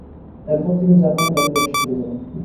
এরপর তিনি জাপানে গাড়ির ব্যবসা শুরু করেন।